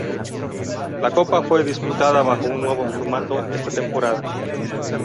La copa fue disputada bajo un nuevo formato esta temporada.